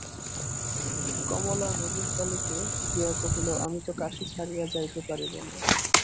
কমলা নবীনকালীকে গিয়া কহিল, আমি তো কাশী ছাড়িয়া যাইতে পারিব না।